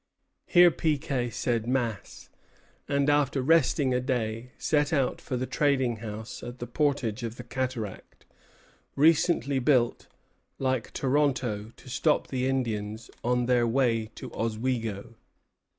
Here Piquet said mass; and after resting a day, set out for the trading house at the portage of the cataract, recently built, like Toronto, to stop the Indians on their way to Oswego.